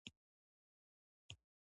د دریم اصلي ګروپ عنصرونه درې الکترونونه لري.